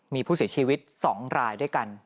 มีผู้เสียชีวิต๒รายด้วยกัน